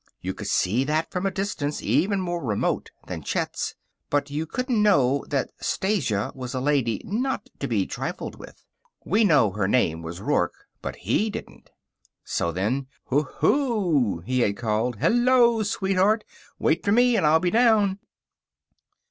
You could see that from a distance even more remote than Chet's. But you couldn't know that Stasia was a lady not to be trifled with. We know her name was Rourke, but he didn't. So then: "Hoo hoo!" he had called. "Hello, sweetheart! Wait for me and I'll be down."